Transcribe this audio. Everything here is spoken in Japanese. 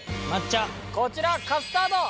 こちらカスタード。